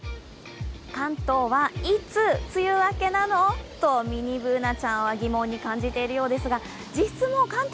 関東はいつ梅雨明けなのとミニＢｏｏｎａちゃんは疑問に感じてるようですが実際、関東